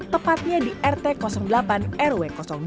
tepatnya di rt delapan rw dua